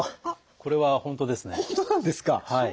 これは本当ですね。